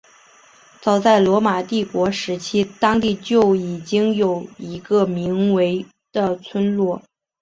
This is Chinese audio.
早在罗马帝国时期当地就已经有一个名为的村落。